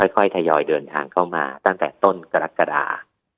ค่อยทยอยเดินทางเข้ามาตั้งแต่ต้นกรกฎา